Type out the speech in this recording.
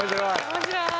面白い。